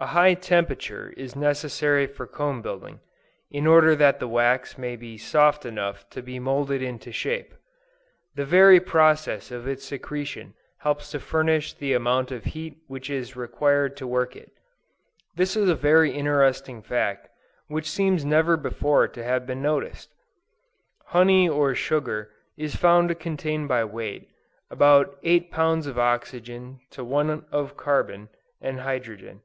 A high temperature is necessary for comb building, in order that the wax may be soft enough to be moulded into shape. The very process of its secretion helps to furnish the amount of heat which is required to work it. This is a very interesting fact which seems never before to have been noticed. Honey or sugar is found to contain by weight, about eight pounds of oxygen to one of carbon and hydrogen.